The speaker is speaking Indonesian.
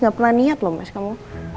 gak pernah niat loh mas kamu